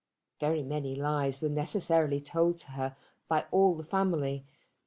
Very many lies were necessarily told her by all the family.